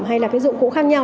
hay là cái dụng cụ khác nhau